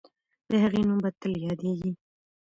د هغې نوم به تل یادېږي.